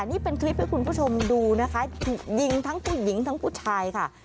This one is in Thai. นี่เป็นคลิปให้คุณผู้ชมดูนะคะถูกยิงทั้งผู้หญิงทั้งผู้ชายค่ะ